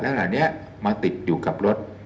ขณะนี้มาติดอยู่กับรถ